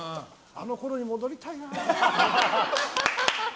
あのころに戻りたいな。